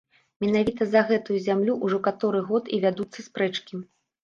Менавіта за гэтую зямлю ўжо каторы год і вядуцца спрэчкі.